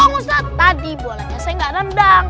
oh ustaz tadi bolanya saya gak nendang